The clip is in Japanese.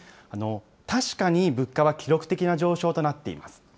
確かに物価は記録的な上昇となっています。